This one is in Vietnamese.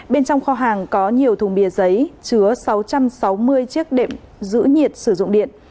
bên trong kho hàng có nhiều thùng bia giấy chứa sáu trăm sáu mươi chiếc đệm giữ nhiệt sử dụng điện